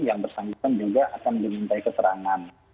yang bersangkutan juga akan diminta keterangan